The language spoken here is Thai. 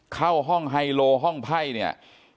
เข้าห้องไฮโลห้องไพ่เนี่ย